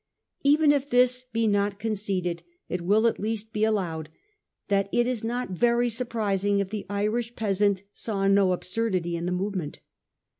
Even if this be not conceded, it will at least be allowed that it is not very surprising if the Irish peasant saw no absurdity in the movement.